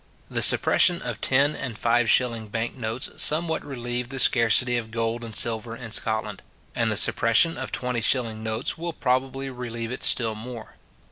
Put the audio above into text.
The suppression of ten and five shilling bank notes, somewhat relieved the scarcity of gold and silver in Scotland; and the suppression of twenty shilling notes will probably relieve it still more.